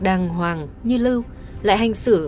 đàng hoàng như lưu lại hành xử